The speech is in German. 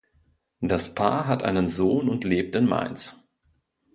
Das Paar hat einen Sohn und lebt in Mainz.